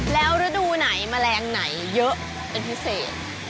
แล้วฤดูไหนแมลงไหนเยอะเป็นพิเศษ